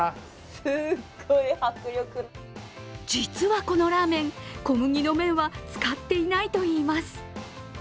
実はこのラーメン小麦の麺は使っていないといいます。